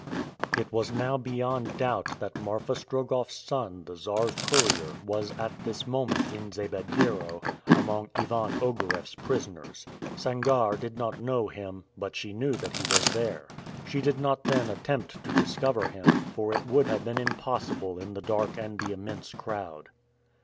It was now beyond doubt that Marfa Strogoff's son, the Czar's courier, was at this moment in Zabediero, among Ivan Ogareff's prisoners. Sangarre did not know him, but she knew that he was there. She did not then attempt to discover him, for it would have been impossible in the dark and the immense crowd.